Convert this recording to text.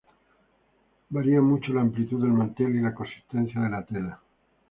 Varía mucho la amplitud del mantel y la consistencia de la tela.